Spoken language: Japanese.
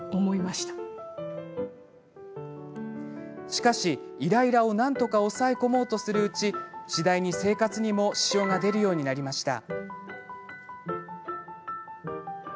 しかし、イライラをなんとか抑え込もうとするうち次第に生活にも支障が出るようになりました。